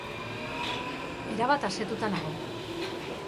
Erabat asetuta nago.